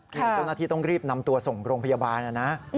คือเจ้าหน้าที่ต้องรีบนำตัวส่งโรงพยาบาลนะนะ